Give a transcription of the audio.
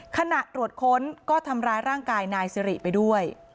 ขณะตรวจค้นก็ทำร้ายร่างกายนายสิริไปด้วย